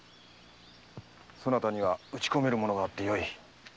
そなたには打ち込めるものがあってよい。